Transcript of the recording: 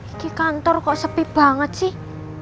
di kantor kok sepi banget sih